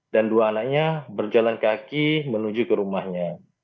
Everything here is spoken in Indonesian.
dan dua anaknya berjalan kaki menuju ke rumahnya